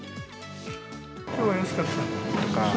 きょうは安かった。